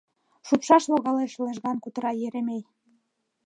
— Шупшаш логалеш, — лыжган кутыра Еремей.